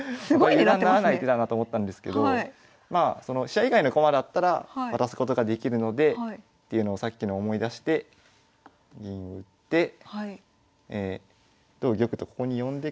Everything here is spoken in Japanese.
油断ならない手だなと思ったんですけど飛車以外の駒だったら渡すことができるのでっていうのをさっきの思い出して銀打って同玉とここに呼んでから。